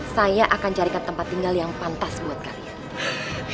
saya akan carikan tempat tinggal yang pantas buat kalian